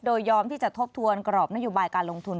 โดยยอมที่จะทบทวนกรอบนโยบายการลงทุน